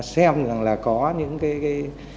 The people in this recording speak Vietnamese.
xem là có những vấn đề